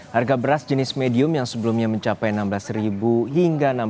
harga beras jenis medium yang sebelumnya mencapai enam belas ribu hingga enam puluh sembilan